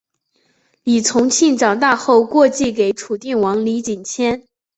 李从庆长大后过继给楚定王李景迁。